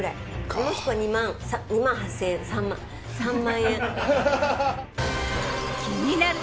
もしくは２万８，０００円３万３万円。